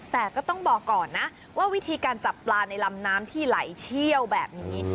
แต่ก็ต้องบอกก่อนนะว่าวิธีการจับปลาในลำน้ำที่ไหลเชี่ยวแบบนี้